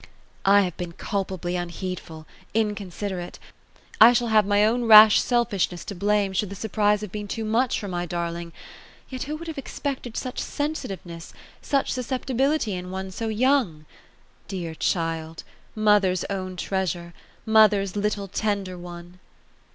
^ I have been culpably unheedful — ^inconsiderate ; I shall have only my own rash selfishness to blame, should the surprise have been too much (or my darling. Yot who would have expected such sensitiveness — such susceptibility in one so young? Dear child ! Mother's own treasure t Mother's little tender one